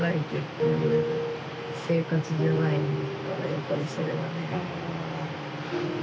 やっぱりそれがね。